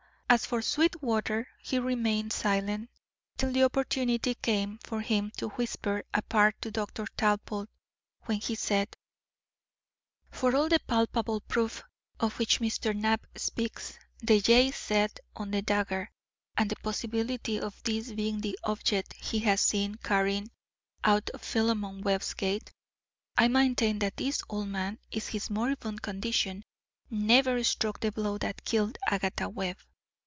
As for Sweetwater, he remained silent till the opportunity came for him to whisper apart to Dr. Talbot, when he said: "For all the palpable proof of which Mr. Knapp speaks the J. Z. on the dagger, and the possibility of this being the object he was seen carrying out of Philemon Webb's gate I maintain that this old man in his moribund condition never struck the blow that killed Agatha Webb.